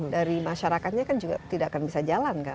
dari masyarakatnya kan juga tidak akan bisa jalan kan